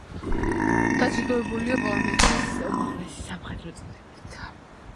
დაჯილდოებულია პოლონეთის უმაღლესი სამხედრო წოდებებით.